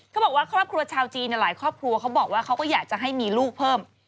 เขาบอกว่าครอบครัวชาวจีนหลายครอบครัวเขาบอกว่าเขาก็อยากจะให้มีลูกเพิ่ม